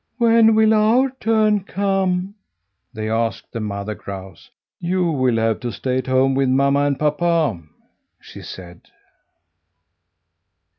"When will our turn come?" they asked the mother grouse. "You will have to stay at home with mamma and papa," she said.